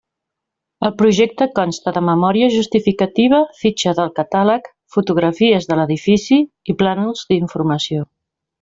El projecte consta de memòria justificativa, fitxa del catàleg, fotografies de l'edifici i plànols d'informació.